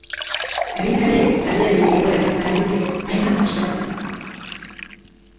Agintariek larrialdi-egoera ezarri dute hainbat estatutan.